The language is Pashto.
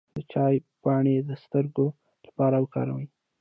د چای پاڼې د سترګو لپاره وکاروئ